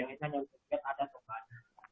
yang itu hanya untuk lihat ada atau tidak ada